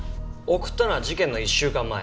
送ったのは事件の１週間前。